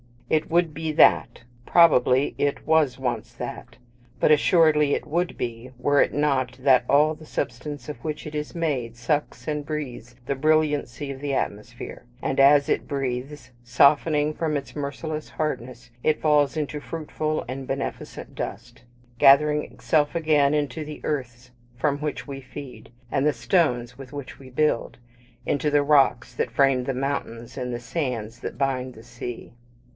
It would be that, probably it was once that; but assuredly it would be, were it not that all the substance of which it is made sucks and breathes the brilliancy of the atmosphere; and as it breathes, softening from its merciless hardness, it falls into fruitful and beneficent dust; gathering itself again into the earths from which we feed, and the stones with which we build; into the rocks that frame the mountains, and the sands that bind the sea.